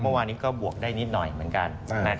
เมื่อวานนี้ก็บวกได้นิดหน่อยเหมือนกัน